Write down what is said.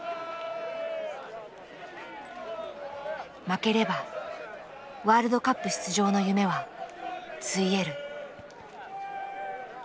負ければワールドカップ出場の夢はついえる。